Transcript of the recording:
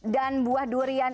dan buah durian ini